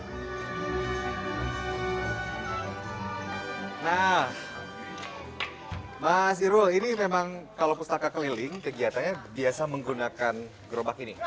nah mas irul ini memang kalau pustaka keliling kegiatannya biasa menggunakan gerobak ini